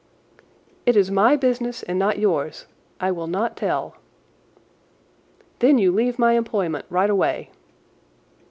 "It is my business, and not yours. I will not tell." "Then you leave my employment right away."